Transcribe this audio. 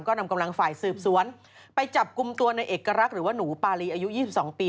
ก็นำกำลังฝ่ายสืบสวนไปจับกลุ่มตัวในเอกลักษณ์หรือว่าหนูปารีอายุ๒๒ปี